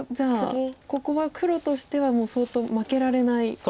ここは黒としてはもう相当負けられない。